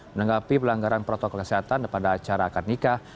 menanggapi pelanggaran protokol kesehatan pada acara akad nikah